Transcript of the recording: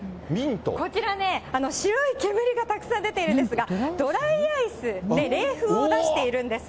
こちらね、白い煙がたくさん出ているんですが、ドライアイスで冷風を出しているんです。